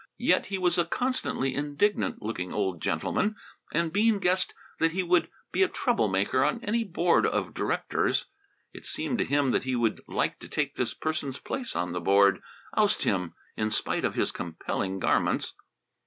Yet he was a constantly indignant looking old gentleman, and Bean guessed that he would be a trouble maker on any board of directors. It seemed to him that he would like to take this person's place on the board; oust him in spite of his compelling garments.